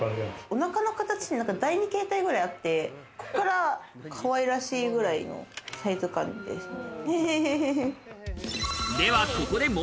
おなかの形、第２形態くらいあって、ここからかわいらしいくらいのサイズ感ですね。